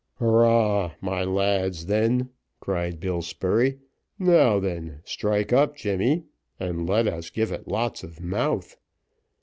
"Hurrah! my lads, then," cried Bill Spurey; "now then, strike up, Jemmy, and let us give it lots of mouth."